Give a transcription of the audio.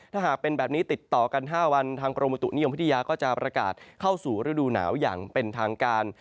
ถ้าหากเป็นแบบนี้ติดต่อกัน๕วันทางกรมบุตุนิยมวิทยาก็จะประกาศเข้าสู่ฤดูหนาวอย่างเป็นทางการ